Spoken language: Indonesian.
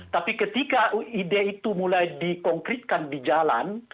tapi ketika ide itu mulai di konkretkan di jalan